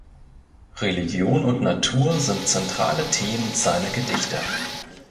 Religion und Natur sind zentrale Themen seiner Gedichte.